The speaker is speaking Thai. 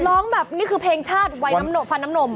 ร้องแบบนี่คือเพลงชาติวัยน้ำฟันน้ำนม